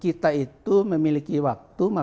kita itu memiliki wakil yang berpengalaman